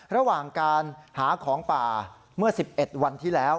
ระหว่างการหาของป่าเมื่อ๑๑วันที่แล้ว